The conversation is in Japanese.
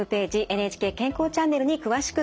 「ＮＨＫ健康チャンネル」に詳しく掲載されています。